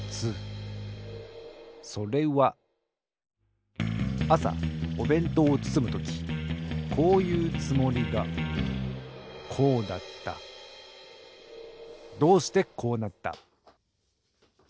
それはあさおべんとうをつつむときこういうつもりがこうだったどうしてこうなった？